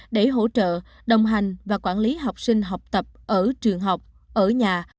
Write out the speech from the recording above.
để hỗ trợ đồng hành và quản lý học sinh học tập ở trường học ở nhà